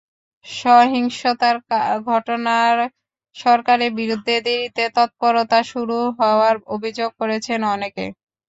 সহিংসতার ঘটনায় সরকারের বিরুদ্ধে দেরিতে তৎপরতা শুরু হওয়ার অভিযোগ করেছেন অনেকে।